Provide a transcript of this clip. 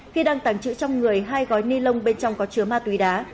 khi đang tàng trữ trong người hai gói ni lông bên trong có chứa ma túy đá